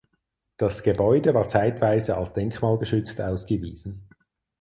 Das Gebäude war zeitweise als denkmalgeschützt ausgewiesen.